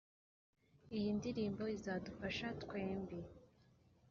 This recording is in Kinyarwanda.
iyi ndirimbo izadufasha twembi